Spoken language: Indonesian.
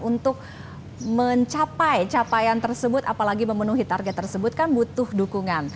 untuk mencapai capaian tersebut apalagi memenuhi target tersebut kan butuh dukungan